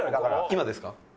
今ですか？